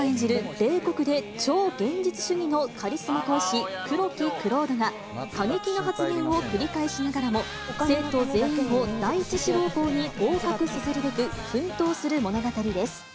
冷酷で超現実主義のカリスマ講師、黒木蔵人が過激な発言を繰り返しながらも、生徒全員を第１志望校に合格させるべく、奮闘する物語です。